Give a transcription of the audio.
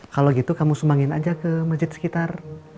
kalau gitu kamu sumbangin aja ke masjid sekitar